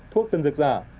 thuốc tân dược giả